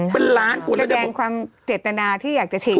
แสดงความเจรตนาที่อยากจะฉีด